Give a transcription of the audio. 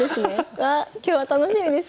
わっ今日は楽しみですね。